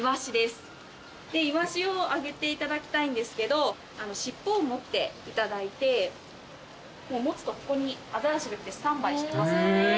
イワシをあげていただきたいんですけど尻尾を持っていただいてもう持つとここにアザラシが来てスタンバイしてますので。